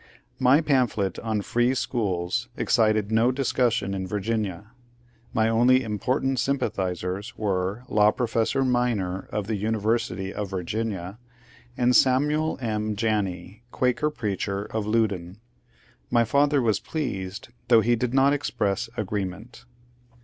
My pamphlet on Free Schools excited no discussion in Vir ginia. My only important sympathizers were Law Professor Minor of the University of Virginia and Samuel M. Janney, Quaker preacher in Loudoun. My father was pleased, though he did not express agreement.